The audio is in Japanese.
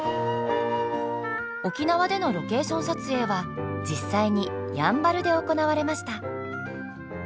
沖縄でのロケーション撮影は実際にやんばるで行われました。